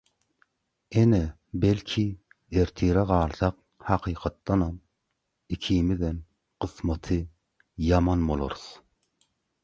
- Ene, belki... ertire galsak hakykatdanam ikimiziem kysmaty ýaman bolarys.